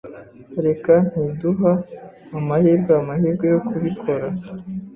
Reka ntiduha amahirwe amahirwe yo kubikora.